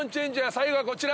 最後はこちら。